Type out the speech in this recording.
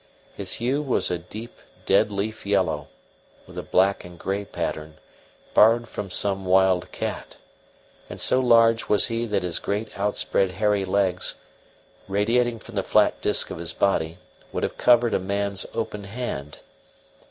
His hue was a deep dead leaf yellow, with a black and grey pattern, borrowed from some wild cat; and so large was he that his great outspread hairy legs, radiating from the flat disk of his body, would have covered a man's open hand.